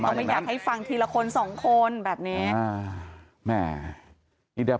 เขาไม่อยากให้ฟังทีละคนสองคนแบบนี้